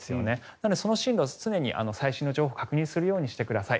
なので、その進路常に最新の情報を確認するようにしてください。